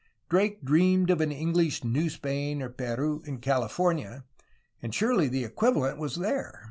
Drake dreamed of an English New Spain or Peru in California — and surely the equivalent was there!